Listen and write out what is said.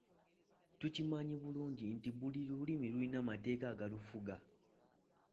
Tukimanyi bulungi nti buli lulimi lulina amateeka agalufuga.